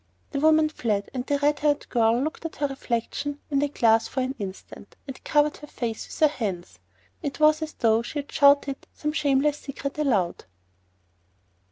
The woman fled, and the red haired girl looked at her own reflection in the glass for an instant and covered her face with her hands. It was as though she had shouted some shameless secret aloud.